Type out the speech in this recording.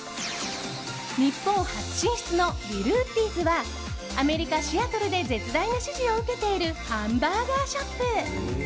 日本初進出のＬｉｌＷｏｏｄｙ’ｓはアメリカ・シアトルで絶大な支持を受けているハンバーガーショップ。